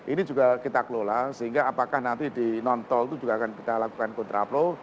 ini juga kita kelola sehingga apakah nanti di non tol itu juga akan kita lakukan kontraplow